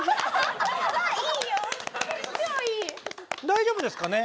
大丈夫ですかね？